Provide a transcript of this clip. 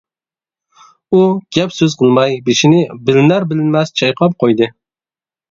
ئۇ گەپ-سۆز قىلماي بېشىنى بىلىنەر-بىلىنمەس چايقاپ قويدى.